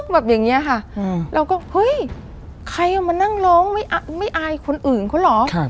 แบบอย่างนี้ค่ะเราก็เฮ้ยใครเอามานั่งร้องไม่อายคนอื่นเขาเหรอ